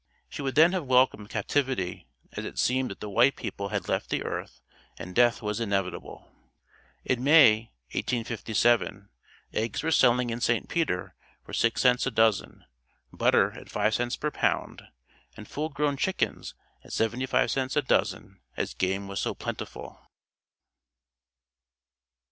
She would then have welcomed captivity as it seemed that the white people had left the earth and death was inevitable. In May 1857, eggs were selling in St. Peter for 6c a dozen, butter at 5c per pound and full grown chickens at 75c a dozen as game was so plentiful.